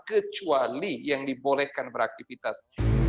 kecuali yang dibolehkan beraktivitas